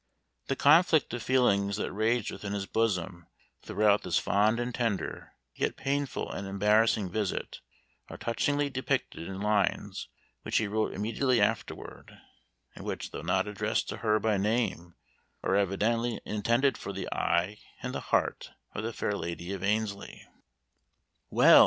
The conflict of feelings that raged within his bosom, throughout this fond and tender, yet painful and embarrassing visit, are touchingly depicted in lines which he wrote immediately afterward, and which, though not addressed to her by name, are evidently intended for the eye and the heart of the fair lady of Annesley: "Well!